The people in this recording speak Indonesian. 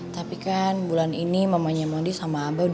tapi kan bulan ini mamanya madi sama abah udah married mel